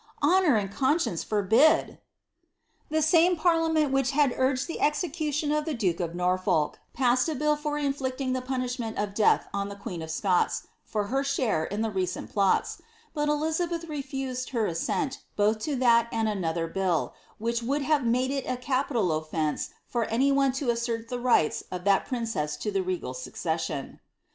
Honour and con icience forbid !" The same parliament which had urged the execution of the duke of Norfolk, passed a bill for inflicting the punishment of death on the queen of Scots, for her share in the recent plots, but Elizabeth refused ber assent both to that and another bill, which would have made it a capital oflfence for any one to assert the rights of that princess to the regal succession.